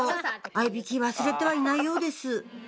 合いびき忘れてはいないようです